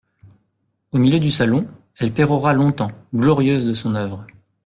Au milieu du salon, elle pérora longtemps, glorieuse de son œuvre.